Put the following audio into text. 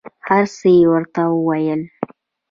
هر څه یې ورته وویل.